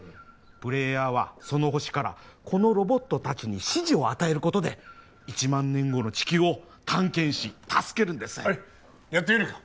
プレイヤーはその星からこのロボット達に指示を与えることで一万年後の地球を探検し助けるんですやってみるか？